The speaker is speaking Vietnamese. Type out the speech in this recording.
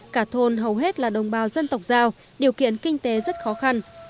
cả thôn hầu hết là đồng bào dân tộc giao điều kiện kinh tế rất khó khăn